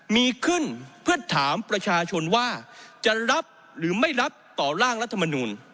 มีขึ้นเพื่อถามประชาชนว่าจะรับหรือไม่รับต่อร่างรัฐมนูล